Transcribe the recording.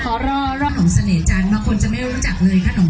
ขอรอครับของเสม่ห์จันทร์มากควรจะไม่รู้จักเลยขนม